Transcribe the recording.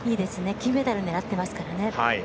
金メダル狙ってますから。